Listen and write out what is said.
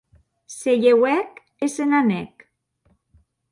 Se lheuèc e se n'anèc.